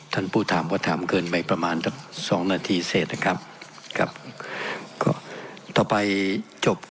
ท่านผู้ถามก็ถามเกินไปประมาณสองนาทีเสร็จนะครับครับก็จบครับ